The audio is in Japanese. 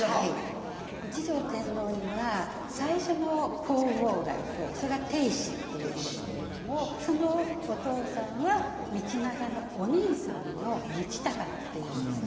一条天皇には最初の皇后がいてそれが定子っていうんですけれどもそのお父さんは道長のお兄さんの道隆っていうんですね。